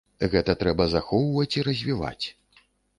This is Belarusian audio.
Гэта трэба захоўваць і развіваць.